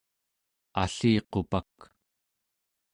alliqupak